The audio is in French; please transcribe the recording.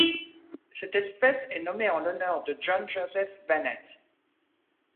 Cette espèce est nommée en l'honneur de John Joseph Bennett.